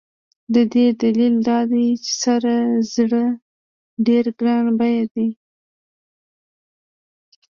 د دې دلیل دا دی چې سره زر ډېر ګران بیه دي.